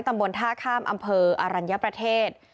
ตำบลท่าข้ามอำเภออรัญญประเทศ